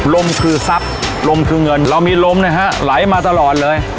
ลมคือทรัพย์ลมคือเงินเรามีลมนะฮะไหลมาตลอดเลย